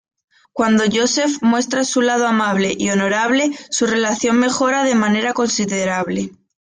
Cuando Joseph muestra su lado amable y honorable, su relación mejora de manera considerable.